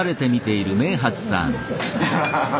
ハハハハハ！